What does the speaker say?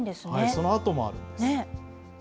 そのあともあるんです。